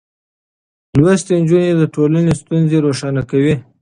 لوستې نجونې د ټولنې ستونزې روښانه کوي.